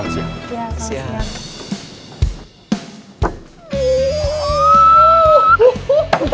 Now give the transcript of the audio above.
kok enam puluh sih